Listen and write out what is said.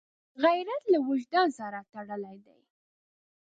غیرت له وجدان سره تړلی دی